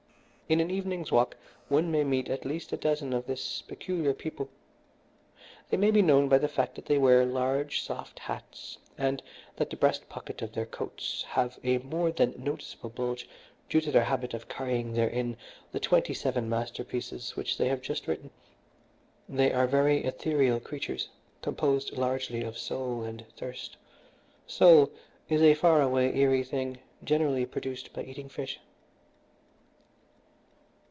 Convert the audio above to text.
In an evening's walk one may meet at least a dozen of this peculiar people. They may be known by the fact that they wear large, soft hats, and that the breast pockets of their coats have a more than noticeable bulge, due to their habit of carrying therein the twenty seven masterpieces which they have just written. They are very ethereal creatures, composed largely of soul and thirst. Soul is a far away, eerie thing, generally produced by eating fish."